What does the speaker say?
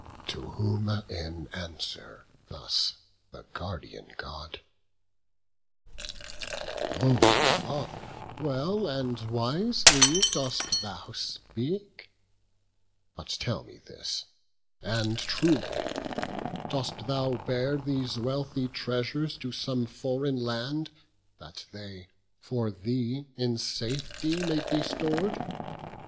To whom in answer thus the Guardian God: "O father, well and wisely dost thou speak; But tell me this, and truly: dost thou bear These wealthy treasures to some foreign land, That they for thee in safety may be stor'd?